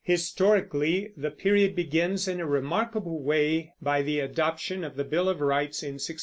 Historically, the period begins in a remarkable way by the adoption of the Bill of Rights in 1689.